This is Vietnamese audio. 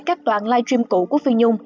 các toàn live stream cũ của phi nhung